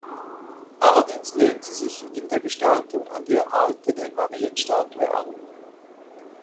Allerdings lehnt sie sich in der Gestaltung an die erhaltene Marienstatue an.